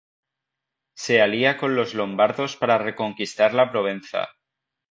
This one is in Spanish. Se alía con los lombardos para reconquistar la Provenza.